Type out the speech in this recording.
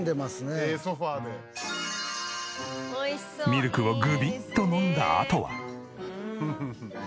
ミルクをグビッと飲んだあとは。